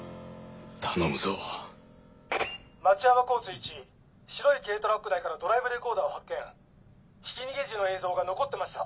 １白い軽トラック内からドライブレコーダーを発見ひき逃げ時の映像が残ってました。